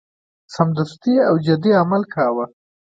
سمدستي او جدي عمل کاوه.